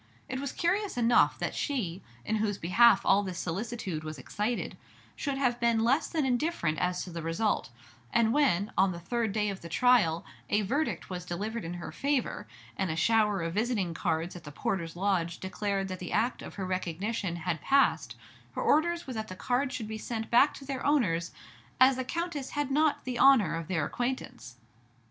It was curious enough that she, in whose behalf all this solicitude was excited, should have been less than indifferent as to the result; and when, on the third day of the trial, a verdict was delivered in her favor, and a shower of visiting cards at the porter's lodge declared that the act of her recognition had passed, her orders were that the cards should be sent back to their owners, as the Countess had not the honor of their acquaintance.